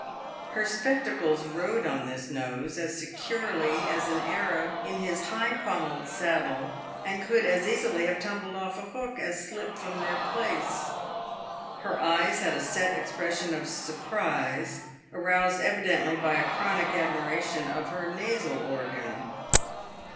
Her spectacles rode on this nose as securely as an Arab in his high pommelled saddle, and could as easily have tumbled off a hook as slip from their place. Her eyes had a set expression of surprise, aroused evidently by a chronic admiration of her nasal organ.